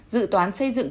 dự toán xây dựng